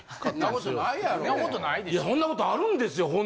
いやそんなことあるんですよ